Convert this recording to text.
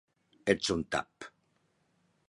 Ets un tap!